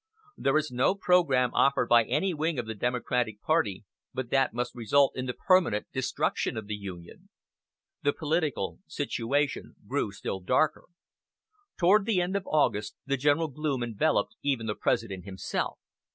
There is no program offered by any wing of the Democratic party but that must result in the permanent destruction of the Union." The political situation grew still darker. Toward the end of August the general gloom enveloped even the President himself.